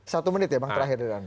satu menit ya bang terakhir dulu